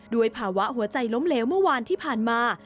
ด้วยภาวะหัวใจล้มเหลวเมื่อวานที่ผ่านมา